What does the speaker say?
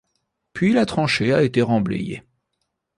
Puis la tranchée a été remblayée.